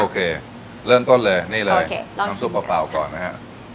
เริ่มต้นเลยนี่เลยน้ำซุปเปล่าก่อนนะฮะ